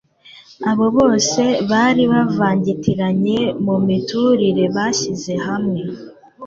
abo bose bari bavangitiranye mu miturire bashyize hamwe